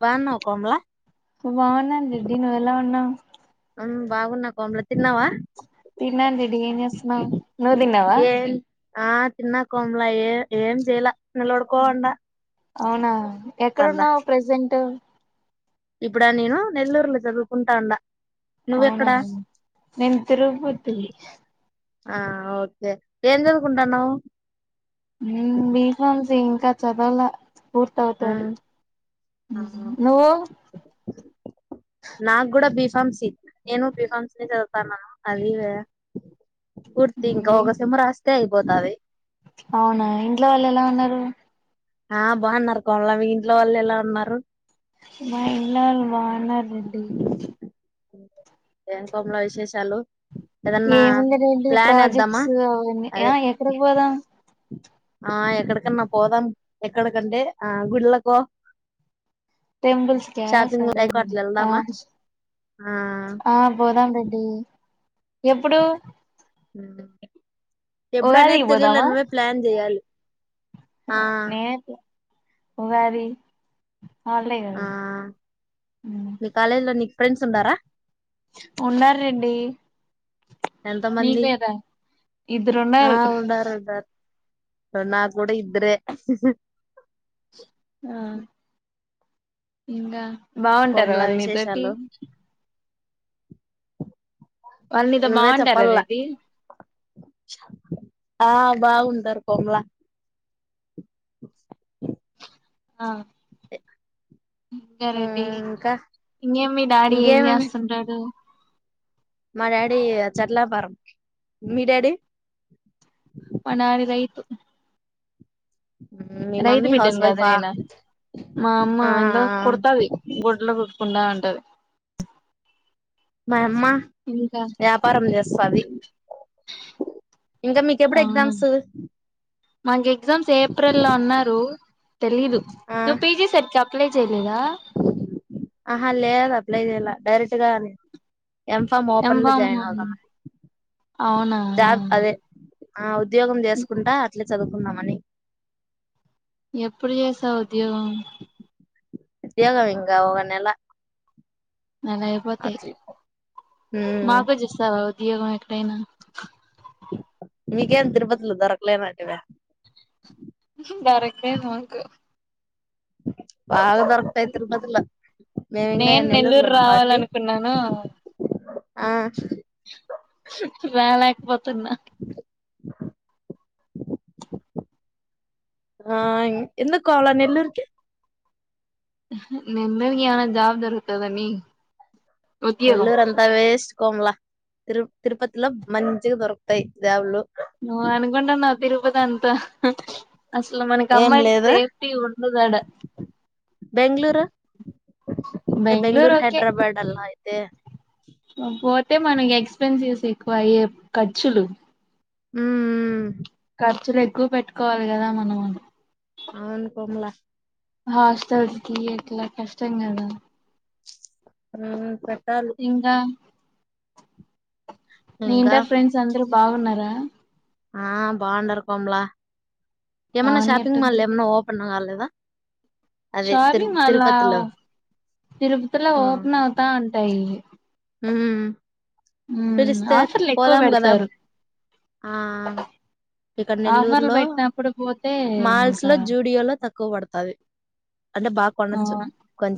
బాగున్నావ కోమల బాగున్నాను రెడ్డి నువు ఎలా ఉన్నావు ఉ బాగున్నా కోమల తిన్నావా తన్నాను రెడ్డి ఏం చేస్తున్నావ్ నువ్వు తిన్నావా ఏం ఆ తిన్నా కోమ్లా ఏ ఏం చేయలే నిలబడకుండా అవునా ఎక్కడున్నావు ప్రజెంట్ [inaudible] ఇప్పుడా నేను నెల్లూరులో చదువుకుంటా ఉండ అవునా నేను తిరుపతి ఆ ఓకే ఏం చదువుకుంటాన్నా్ ఉ బి ఫార్మసీ ఇంకా చదవాల పూర్తి అవుతాది ఉమ్, ఆ నువ్వు పిఫార్మ్స్ ఇ నను పిఫార్మ్స్ ని చదుతారు న అది ఇవే కుర్తి ఇంకా వ ఒక సిమ్ము రాస్ తే అయిపోతది అవునా ఇంట్లో వాళ్ళు ఎలా ఉన్నారు ఆ బాగున్నారు కోమల మీ ఇంట్లో వాళ్ళు ఎలా ఉన్నారు మా ఇంట్లో వాళ్ళు బాగున్నారు రెడ్డి ఉ ఏం కోమల విశేషాలు ఏదన్నా ఏముంది రండి ప్లాన్ ఏద్దామా ప్రాజెక్ట్స్ అవన్నీ ఆ అదే ఎక్కడికి పోదాం ఆ ఎక్కడికన్నా పోదాం ఎక్కడకంటే ఆ గుళ్ళకో టెంపుిల్స్ షాపింగ్ సరే లైకో అట్లా వెళ్దామా ఆ ఆ పోదాం రెడ్డి ఎప్పుడు ఉ ఎప్పుడు అనేది ఉగాదికి తెలియాల పోదామా నువ్వే ప్లాన్ చెయాలి ఆ నేనైతే ఉగాది హాలిడే కదా ఆ మీ కాలేజ్ లో ని ఫ్రెండ్స్ ఉన్నారా ఉన్న రేడి ఎంతమంది ఆ ఇద్దరున్నారు ఉండరు ఉన్నారుారు స నా కూడాడా ఇ్రే ఆ ఇకా బాగుంటారు కోమలా వాళ్ళు మీతోటి విశేషాలు వాళ్ళు నీతో నువ్వే బాగుంటారు చెప్పాల అదేది ఆ బాగుంటారు కొమలా [unintelligible] ఆ ఇంకా రెండి మ్మ్ ఇంకా ఇంకే మీ డాడీ ఏం ఇంకేమేమి చేస్తుంటాడు మా డాడీ చెట్లా పర మీ డాడీ మనారి రైతు ఉమ్, మీ రైదు మమ్మీ హౌస్ బిడ్డన్ కా అద వైఫా నేను మా అమ్మా ఆ ఎందా కొతాది గుడ్ల చెకుండా ఉంటది బా ఇంకా ఇంకా మీకెప్పుడు అవునం ఎగ్జామ్స్ మాకు ఎగ్జామ్స్ ఏప్రిల్ లో ఉన్నారు తెలీదు నువ్వు పీజీ సరి ఎట్ ఆహ లేేదు అప్లై చేయిలా డైరెక్ట్ గానే ఎం ఫామ్ ఓపెన్ లో జాయిన్ ఎంఫామ్ అవుదా అవునా జాబ్ అదే అవుద్ ఉద్యోగం చేసుకుంటా ఇట్లే చదువుకుందామని ఎప్పుడు చేసావ్ ఉద్యోగం ఉద్యోగం ఇంగా ఒక నెల నెల అయిపోతాయ్ అట్ల ఉమ్ మాకు చేస్తావా ఉ ఉద్యోగం ఎక్కడైనా మీకేం తిరుపతిలో దొరకలే అంటివా దొరికింది మాకు బాగా దొరకుతాయ్ తిరుపతిలో మేము ఇ నేను నెల్లూరులో నెల్లూరు ఉన్నాం కాబట్టి రావాలనుకున్నాను ఆ రాలకపోత్ తన ఆ ఇంగ్ ఎందుకు కోలా నెల్లూరుకి ఆహా నెమ్మదిగా యావన్న జాబ్ దొరుకుతదని ఒల్లూరు అంతా వేస్ట్ కోమలా తిరు తిరుపతిలో మంచిగా దొరుకుతాయ్ ద్యావుల్లు నువ్ అనుకుంటున్నావ్ తిరుపతి అంత అసలు మనకు ఏం అమ్మాయిలక్ లేదా సేఫ్టీ ఉండదడా బెంగళూరు బెంగళూరు హైదరాబాద్ అలా అయితే హ పోతే మనక్ ఎక్స్పెన్సివస్ ఎ క్వాయేప్ ఖర్చులు ఉ ఖర్చులు ఎక్కువ పెట్టుకోవాలి కదా మనము అవును కోమలా హాస్టల్ కి ఎట్లా కష్టం కదా స ఇంకా నీ ఇంకా ఇంటర్ ఫ్రెండ్స్ అందరు బాగున్నారా ఆ బాఉండారు కోమల ఏమన్నా పావని షపింగ మాల్, ఎట్టుంది ఏమన్నా ఓపన్ కాలేద అ షాపింగ్ మాల్లౌ తిరుపతిలో ఓపెన్ అవుతా ఉంటాయి మ్మ్ మ్మ్ ఆఫర్ల్ ఎక్కువ కదా పెడతారు ఆ ఇక్కడ నెల్లూరు ఆఫర్లు లో పెట్టినప్పుడు పోతే మాల్స్ ఇంకా లో జూడియో లో తక్కువ పడత అది ఆ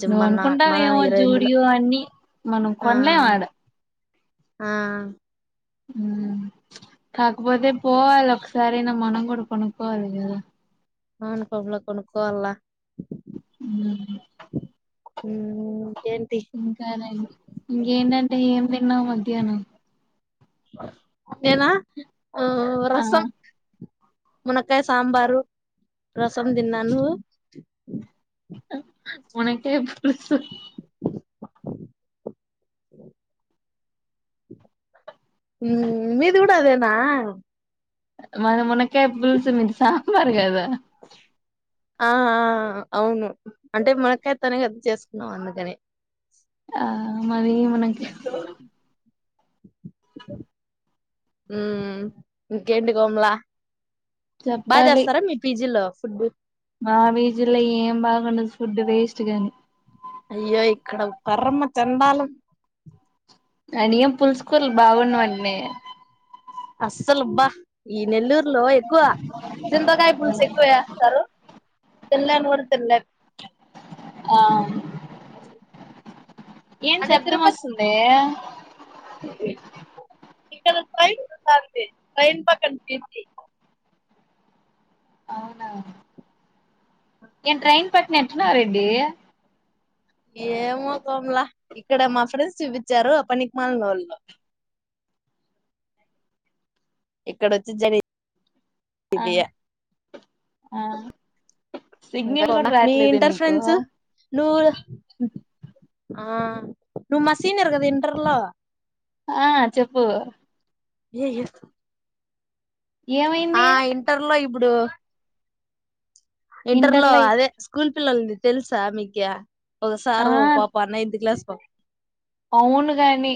నువ్ మన అనుకుంటావెమో ఈ రేంజ్ లో జూడియో అని, మనం ఆ కొనలేం ఆడ ఆ మ్మ్ కాకపోతే పోవాల ఒక్కసారైనా మనం కూడా కొనుకోవాలి కదా అవును కోబ్ల కొనుకోవల మ్మ్ మ్మ్ ఇంకానండి ఇంకేంటంటే ఏం లే తిన్నా మధ్యాహ్నం కేనా ఆ ఆ రసం మునకాయ్ సాంబారు, రసం తిన్నా నువ్వు మునక్కాయ్ పులుసు మ్మ్ మీది కూడా అదేనా మనం మునక్కాయ పులుసు మీది సాంబార్ కదా ఆ ఆ అవును అంటే మునక్కాయ తోనే గా చేసుకున్నాం అందుకని ఆ మాది మునక్కాయ [inaudible] మ్మ్ ఇంకేంటి కోమ్లా బా చెప్పాలి చేస్తారా మీ పీజీల్లో మా విజిల్లో ఏం బాగుండదు ఫుడ్ వేస్ట్ గని అయ్యో ఇక్కడ పరమ చెండాలం అడి ఏం పులుసుకూరల్ బాగున్నవట్నే అస్సలు బ్బా ఈ నెల్లూరు లో ఎక్కువ, చింతకాయ పలుసు ఎక్కువేస్తారు తినలేన్ కుడా తిన్లేమ్ ఆ ఏం అంటే శబ్దం తిరుపతి వస్తుందే ఇక్కడ ట్రైన్ పోతంది ట్రైన్ పక్కన [inaudible] అవునా ఏ ట్రైన్ పట్న ఎట్టున్నావ్ రెడ్డి ఏమో కోమ్లా ఇక్కడ మా ఫ్రెండ్స్ చూపించారు పనికిమాలినోల్లు ఇక్కడ వచ్చి జని ఆ ఇది య ఆ అంతే సిగ్నల్ కూడా కోమల మీ రాట్లేదు ఇంటర్ నీకు ఫ్రెండ్స్ నువ్వు ఆ నువ్వు మా సీనియర్ కదా ఇంటర్లో ఆ చెప్పు ఏ ఎహ్ ఆ ఏమైంది ఇంటర్ లో ఇప్ ఇప్పుడు ఇంటర్ లో ఇంటర్లో అదే స్కూల్ పిల్లలంది తెలుసా మీకి ఓక ఆ సారు ఒక పాపా నైన్త్ క్లాస్ పక్ అవును గాని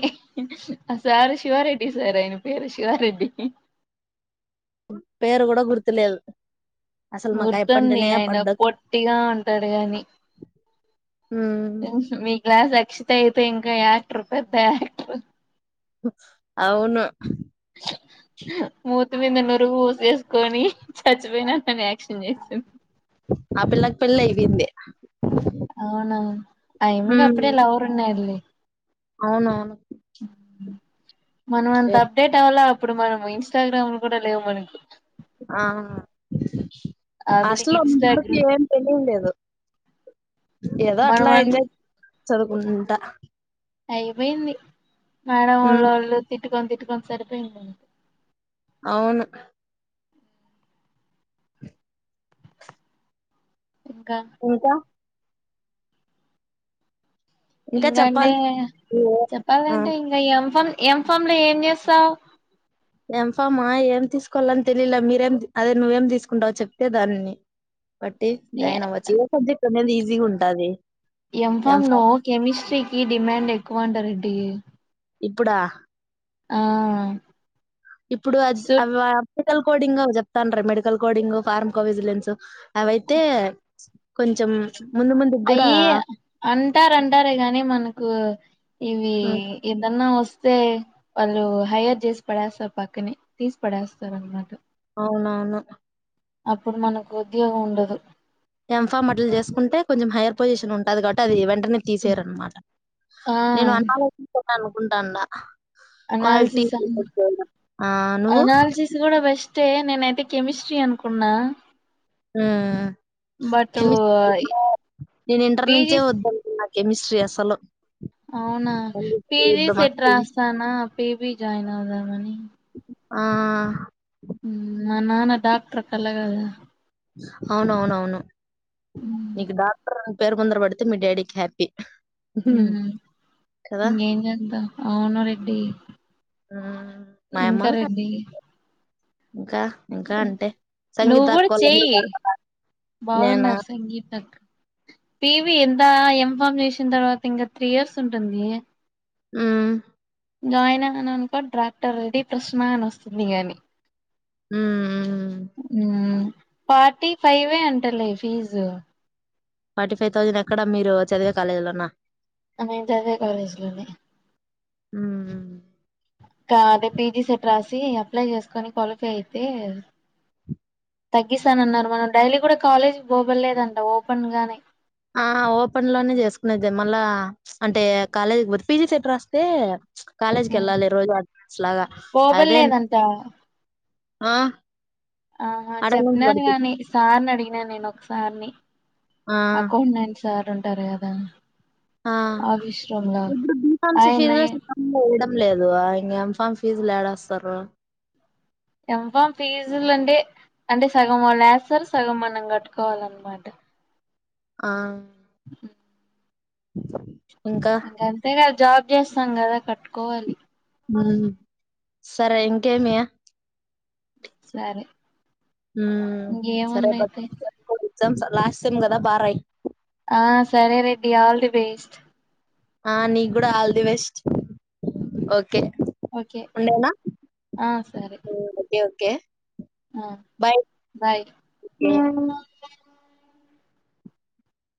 ఆ సార్ శివారెడ్డి సార్ ఆయన పేరు శివారెడ్డి పేరు కూడా గుర్తులేదు అసలు మాకు గుర్తుంది అయప్పంటేనే ఆయన పడ్డదు పొట్టిగా ఉంటాడు గాని ఉమ్ టెన్త్ మీ క్లాస్ అక్షిత అయితే ఇంకా యాక్టర్ పెద్ద యాక్టర్ అవును ము త్తి మీంద నురుగు పోసేసుకొని చచ్చిపోయినా అని యాక్ట్ క్షన్ చేసింది పెళ్ళి అయిపోయింది అవునా అయిమ్మికి ఉమ్ అప్పుడే లవర్ ఉన్నాడు లే అవునవును మనం అంత అప్డేట్ అవలా ఇప్పుడు మనం ఇన్స్టాగ్రామ్ కూడా లేవు మనకు ఆ ఆ వీళ్ళకి అసలు మనకి ఇన్స్టాగ్రామ్ ఏం తెలివి లేదు ఏదో మనం అట్లా ఎంజాయ్ చదువుకుంటా అయిపోయింది మేడమ్ ఉమ్ లొల్లు తిట్ తిట్టుకొని తిట్టుకొని సరిపోయింటుంది అవును ఇంకా ఇంకా ఇంకా ఇంగా అంటే చెప్పాలి నువ్వే ఆ చెప్పాలంటే ఇంగ ఎమ్ ఫన్ ఎమ్ ఫామ్ లో ఏం చేస్తావ్ ఎమ్ ఫామ్ ఏం తీసుకోవాలని తెలిలా మీరేం అదే నువ్వేం తీసుకుంటావు చెప్తే దాన్ని పట్టి నే జాయిన్ అవచ్చు ఎ సబ్జెక్టు అనిది ఈజీ బిజీ ఉంటది ఎమ్ ఫామ్ ఎంఫా లో కెమిస్ట్రీకిి డిమాండ్ ఎక్ ఎక్కువంట రెడ్డి ఇప్పుడా ఆ ఇప్పుడు అద్ సుట్ అవా మెడికల్ కోడింగ్ అవి చేప్తాన్రే మెడికల్ కోడింగ్ ఫార్మ్కో విజిలెన్సు అవైతే కొంచెం ముందు ముందుకు కూడా అయి అంటారు అంటారు ఎగాని మన కు ఇవి ఉమ్, ఎదన్నా వస్ వస్తే వాళ్ళు హైయర్ చేసి పడేస్తారు పక్కనే తీసి పడేస్తారు అనమాట అవునువును అప్పుడు మనకు ఉద్యోగం ఉండదు ఎమ్ ఫామ్ అట్లు చేసుకుంటే కొంచెం హయ్యర్ పోసిషన్ ఉంటది కాబట్టి అది ఈవెం అందరిని తీసేరుమాట ఆ నేను అన్ అలోచిస్తునాను ఉంటండా అనాలసిస్ అ ఆ నువ్వు అనాలసిస్ కూడా బెస్ట్ తే నేనయితే కెమిస్ట్రీ అనుకున్నా అ అ బట్ కెమిస్ట్రీ నేను ఇంటర్ పీజీ నుంచే వద్దనుకున్న కెమిస్ట్రీ అసలు అవునా పీజీ సెట్ రాస్తానా పీబీ జాయిన్ అవుదాం అని ఆ మా నాన్న డాక్టర్ కళ్ళగద అవునువునువును ఉమ్ నీకు డాక్టర్ పేరు ముందర పెడితే మీ డాడీకి హ్యాపీ ఊ కదా ఈంగేంజేద్దం. అవును రెడ్డి. ఆ ఇంకా నిర్మల్గా. రెడ్డి ఇంకా, ఇంకా అంటే నువ్వు కూడా సంగీతాక్కొళందరూ చెయ్యి బాగున్నారా.? నేనా. బాగున్నారు ! సంగీతక్క పివి ఎంతా, ఏంఫర్మ్ జేసిన తర్వాత ఇంగా త్రీ ఇయర్స్ ఉంటుంది. ఆ. జాయిన్ అయన అనుకో డ్రాక్టర్ రెడీ ప్రశ్నా అని వస్తుంది గాని. ఉఊ. ఊ. ఫార్టీ ఫైవే అంటలే ఫీజు. ఫార్టీ ఫైవ్ తౌజండెక్కడ! మీరు చదివే కాలేజ్లోనా.? ఆ నేన్ చదివే కాలేజ్ లోనే. హ్మ్. అదే పీజీ సెట్ రాసి, అప్లై జేస్కొని క్వాలిఫై అయితే, తగ్గిస్తానన్నారు మనం డైలీ కూడా కాలేజ్ బొగులేదంట ఓపెన్ గానే. ఆ ఓపెన్ లోనే జేస్కునేది మళ్ళా అంటే కాలేజ్ పోత్ పిజీ సెట్ రాస్తే. ఉమ్ కాలేజ్కెళ్ళాలి రోజు అటెండెన్స్ లాగా ఓపెన్ అదే. లేదంట అ‌. ఆహా చెప్నరూ గాని, సార్నడిగి. నే నేనోక్సార్ని. ఆ అకౌంనైన్ సార్ ఉన్. తరే అబా. ! ఆ. ఈప్పుడు బి ఫార్మ్ చేసి ఆయన [unintelligible] లేదు ఆ ఇంగా ఎంఫామ్ ఫీజులు లేడస్తారు.? ! ఎం ఫామ్ ఫీజులంటే అంటే సగం వాలేస్తారు, సగం మనం గట్టుకోవాలన్మాట. ఆ. ఊహ్హూ. ఇంకా ఇంకంతేగా జాబ్. జేసం గదా కట్టుకోవాలి. హ్మ్ సరే ఇంకేమీ.? సరే ఇంగేముందైతే.? ! సెమ్స లాస్ట్ సేమ్ గదా బారాయి. ఆ సరే రెడ్డి ఆల్ ది బేస్ట్. ఆ నీగూడా all the best. Oh K okay ఉండనా. ఆ సరే ! ఊ ఓకే. కే. ఆ బాయ్ బాయ్ [unintelligible]